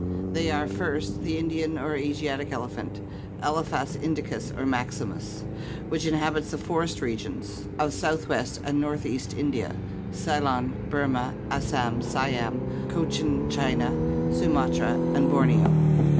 They are, first, the Indian or Astatic elephant, Elephas indicus or maximus (PI. XXIII, B) which inhabits the forest regions PROBOSCIDEANS 603 of southwest and northeast India, Ceylon, Burma, Assam, Siam, Cochin China, Sumatra, and Borneo.